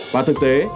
và thực tế